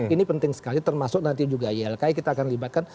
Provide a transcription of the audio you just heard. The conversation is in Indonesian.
ini penting sekali termasuk ylki kita akan melibatkan